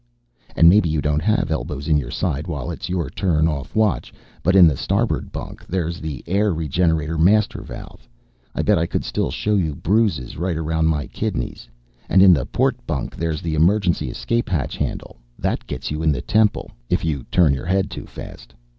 "And maybe you don't have elbows in your side while it's your turn off watch, but in the starboard bunk there's the air regenerator master valve I bet I could still show you the bruises right around my kidneys and in the port bunk there's the emergency escape hatch handle. That gets you right in the temple, if you turn your head too fast.